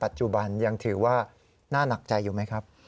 หลบเรี้ยงกฎหมาย